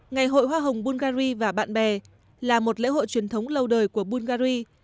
ngày hội hoa hồng bulgari và bạn bè là một lễ hội truyền thống lâu đời của bulgari